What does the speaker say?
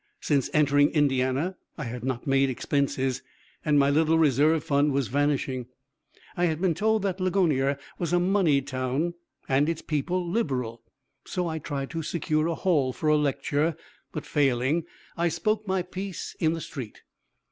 Since entering Indiana I had not made expenses; and my little reserve fund was vanishing. I had been told that Ligonier was a moneyed town, and its people liberal; so I tried to secure a hall for a lecture, but failing, I spoke my piece in the street.